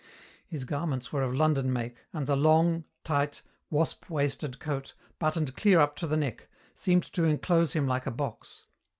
His garments were of London make, and the long, tight, wasp waisted coat, buttoned clear up to the neck, seemed to enclose him like a box.